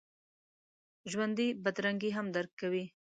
ژوندي بدرنګي هم درک کوي